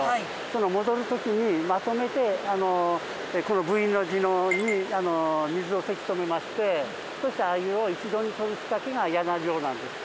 その戻る時にまとめてこのＶの字のように水をせき止めましてそして鮎を一度にとる仕掛けがやな場なんです。